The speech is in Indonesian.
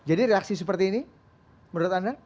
jadi reaksi seperti ini menurut anda